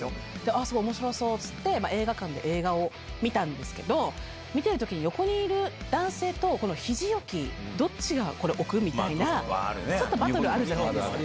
あっ、それ、おもしろそうって言って、映画館で映画を見たんですけど、見てるときに、横にいる男性と、ひじ置き、どっちが、これ、置く？みたいな、ちょっとバトル、あるじゃないですか。